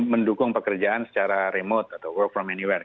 mendukung pekerjaan secara remote atau work from anywhere